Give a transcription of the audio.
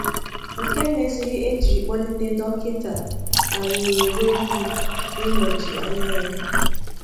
nke mezịrị e jiri kpọlite Dọkịta Anierobi ịnọchi anya ya